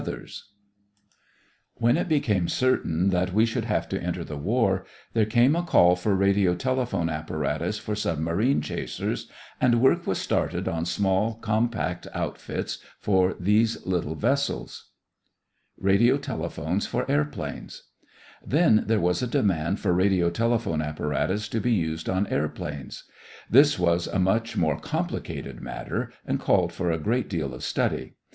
Station, with enlarged view of the Type of Vacuum Tube used] When it became certain that we should have to enter the war, there came a call for radiotelephone apparatus for submarine chasers, and work was started on small, compact outfits for these little vessels. RADIOTELEPHONES FOR AIRPLANES Then there was a demand for radiotelephone apparatus to be used on airplanes. This was a much more complicated matter and called for a great deal of study.